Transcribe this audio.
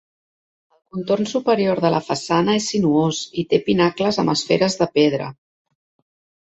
El contorn superior de la façana és sinuós i té pinacles amb esferes de pedra.